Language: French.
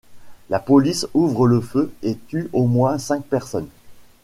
La police ouvre le feu et tue au moins cinq personnes.